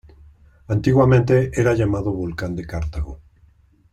Antiguamente era llamado volcán de Cartago.